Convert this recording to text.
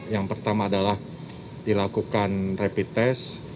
yang pertama adalah dilakukan rapid test